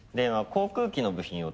航空機の部品も。